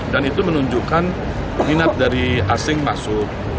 dan itu menunjukkan minat dari asing masuk